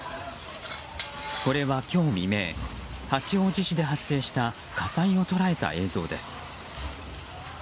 これは今日未明、八王子市で発生した火災を捉えた映像です。